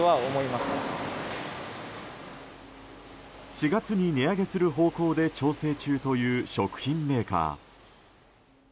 ４月に値上げする方向で調整中という食品メーカー。